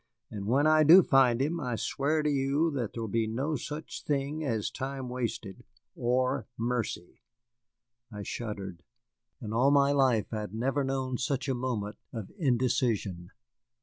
And when I do find him I swear to you that there will be no such thing as time wasted, or mercy." I shuddered. In all my life I had never known such a moment of indecision.